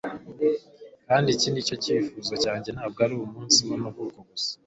kandi iki nicyo cyifuzo cyanjye ntabwo ari umunsi wamavuko gusa